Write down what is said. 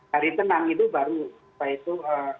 hari tenang itu baru apa itu